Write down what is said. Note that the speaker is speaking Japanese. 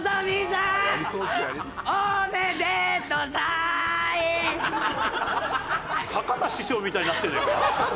坂田師匠みたいになってるじゃんか。